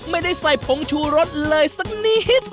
ไม่ได้ใส่ผงชูรสเลยสักนิด